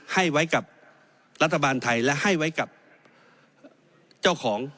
ให้ไว้กับรัฐบาลไทยและให้ไว้กับเจ้าของ